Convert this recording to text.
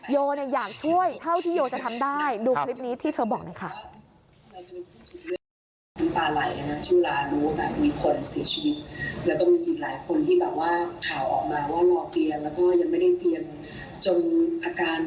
โยอยากช่วยเท่าที่โยจะทำได้ดูคลิปนี้ที่เธอบอกหน่อยค่ะ